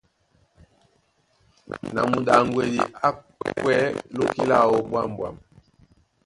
Na muɗaŋgwedi á kwɛ̌ lóki láō ɓwǎmɓwâm.